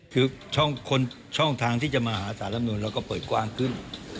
คือช่องทางที่จะมาหาสารรับนูนเราก็เปิดกว้างขึ้น